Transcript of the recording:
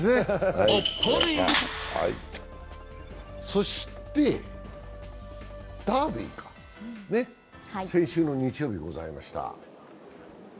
そしてダービーか、先週の日曜日にございました。